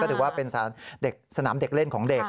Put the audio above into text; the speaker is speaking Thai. ถือว่าเป็นสนามเด็กเล่นของเด็ก